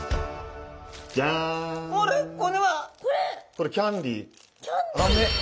これキャンディー。